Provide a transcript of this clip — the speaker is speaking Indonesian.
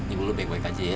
ibu lo baik baik aja ya